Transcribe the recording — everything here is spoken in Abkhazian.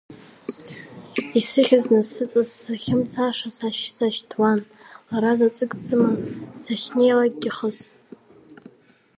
Исыхьыз насыҵас сахьымцаша сашьҭуан, лара заҵәык дсыман сахьнеилакгьы хыс.